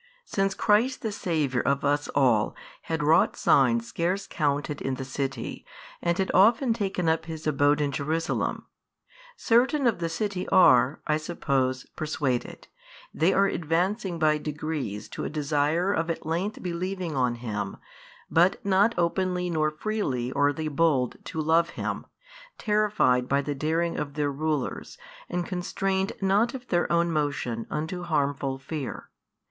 Since Christ the Saviour of us all had wrought signs scarce counted in the city, and had often taken up His abode in Jerusalem: certain of the city are (I suppose) persuaded, they are advancing by degrees to a desire of at length believing on Him, but not openly nor freely are they bold to love Him, terrified by the daring of their rulers and constrained not of their own motion unto harmful fear.